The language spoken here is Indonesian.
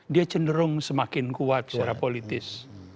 dia cenderung semakin kuat secara politis